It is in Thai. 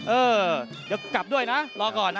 เออเดี๋ยวกลับด้วยนะรอก่อนนะ